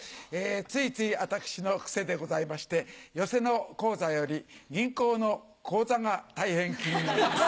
ついつい私の癖でございまして寄席の高座より銀行の口座が大変気になります。